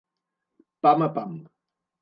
Pam a pam.